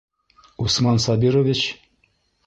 Усман Сабирович?!